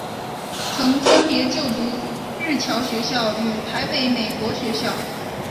曾分别就读日侨学校与台北美国学校。